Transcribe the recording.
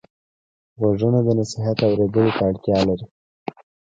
غوږونه د نصیحت اورېدلو ته اړتیا لري